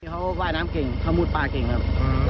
เขาว่ายน้ำเก่งเขามูดป้าเก่งครับ